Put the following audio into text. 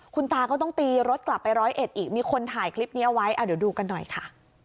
คุณตาก็ต้องตีรถกลับไปร้อยเอ็ดอีกมีคนถ่ายคลิปนี้เอาไว้เดี๋ยวดูกันหน่อยค่ะ